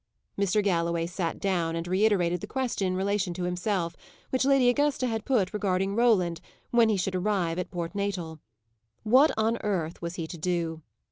Mr. Galloway sat down, and reiterated the question in relation to himself, which Lady Augusta had put regarding Roland when he should arrive at Port Natal What on earth was he to do?